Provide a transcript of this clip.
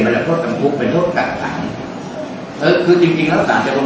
หรือว่ายังไม่รู้อ่ะตอนที่ว่าใช้ไม่ทันค่าปลับใช่ไหม